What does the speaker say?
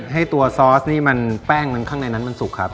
ให้ตัวซอสนี่มันแป้งมันข้างในนั้นมันสุกครับ